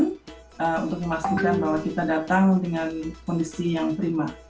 untuk memastikan bahwa kita datang dengan kondisi yang prima